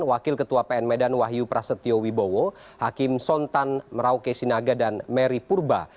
wakil ketua pn medan wahyu prasetyo wibowo hakim sontan merauke sinaga dan mary purba